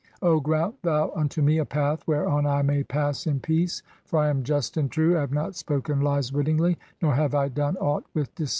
(10) O grant thou unto me a path whereon I may pass 'in peace, for I am just and true ; I have not spoken lies wit 'tingly, nor have I done aught with deceit."